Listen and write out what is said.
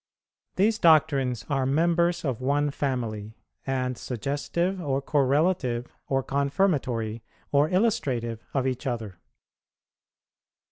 These doctrines are members of one family, and suggestive, or correlative, or confirmatory, or illustrative of each other.